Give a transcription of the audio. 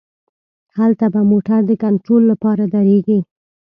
هلته به موټر د کنترول له پاره دریږي.